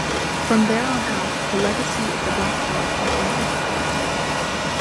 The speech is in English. From there on out the legacy of The Black Dog continued.